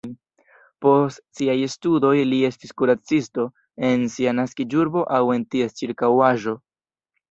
Post siaj studoj li estis kuracisto en sia naskiĝurbo aŭ en ties ĉirkaŭaĵo.